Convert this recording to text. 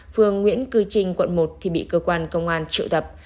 phường nguyễn cư trinh quận một thì bị cơ quan công an triệu tập